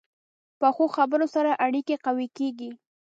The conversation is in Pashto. پخو خبرو سره اړیکې قوي کېږي